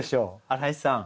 荒井さん